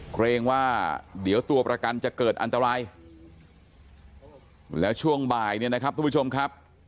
เกรงว่าเดี๋ยวตัวประกันจะเกิดอันตรายแล้วช่วงบ่ายเนี่ยนะครับทุกผู้ชมครับ